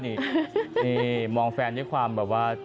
นี่มองแฟนด้วยความแบบว่า